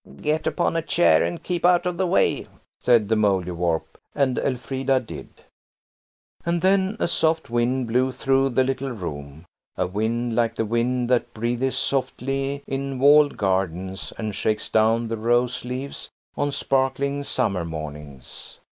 "Get upon a chair and keep out of the way," said the Mouldiwarp. And Elfrida did. "THE ROOM SEEMED FULL OF CIRCLING WINGS." And then a soft wind blew through the little room–a wind like the wind that breathes softly in walled gardens and shakes down the rose leaves on sparkling summer mornings.